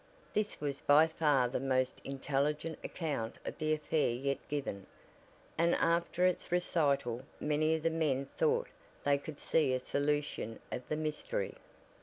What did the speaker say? This was by far the most intelligent account of the affair yet given, and after its recital many of the men thought they could see a solution of the mystery.